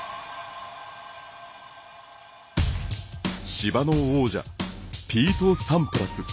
芝の王者、ピート・サンプラス。